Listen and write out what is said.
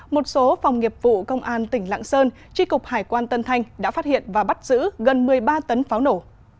một số phòng nghiệp vụ công an tỉnh lạng sơn tri cục hải quan tân thanh đã phát hiện và bắt giữ gần một mươi ba tấn pháo nổ